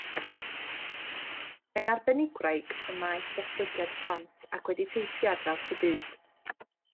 Mae'n arbenigwraig ym maes datblygiad plant ac wedi teithio ar draws y byd.